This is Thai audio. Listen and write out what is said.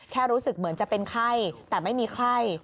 รู้สึกเหมือนจะเป็นไข้แต่ไม่มีไข้